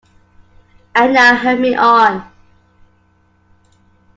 And now help me on.